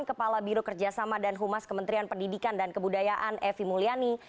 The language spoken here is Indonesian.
kepala biro kerjasama dan humas kementerian pendidikan dan kebudayaan evi mulyani